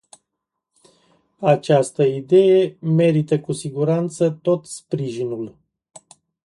Această idee merită cu siguranță tot sprijinul.